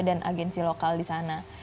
dan agensi lokal di sana